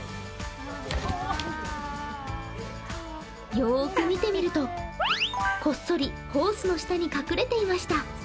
よく見てみると、こっそりホースの下に隠れていました。